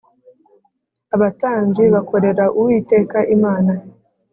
Abatambyi bakorera Uwiteka Imana